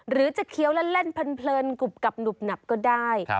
หรือจะเคี้ยวเล่นเพลินกรุบกับหนุบหนับก็ได้